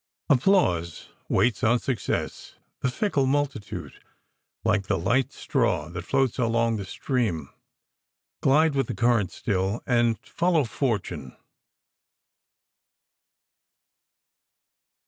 "Applause Waits on success ; the fickle multitude, Like the light straw that floats along the stream, Glide with the current still, and follow fortune."